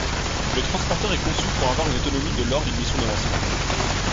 Le transporteur est conçu pour avoir une autonomie de lors d’une mission de lancement.